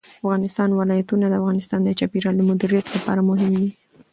د افغانستان ولايتونه د افغانستان د چاپیریال د مدیریت لپاره مهم دي.